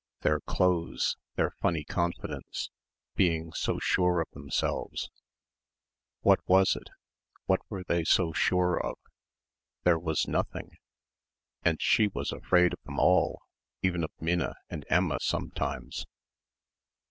Their clothes ... their funny confidence ... being so sure of themselves ... what was it ... what were they so sure of? There was nothing ... and she was afraid of them all, even of Minna and Emma sometimes.